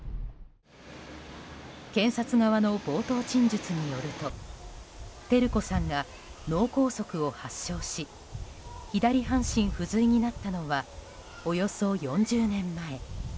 検察側の冒頭陳述によると照子さんが脳梗塞を発症し左半身不随になったのはおよそ４０年前。